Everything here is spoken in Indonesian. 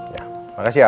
ya makasih al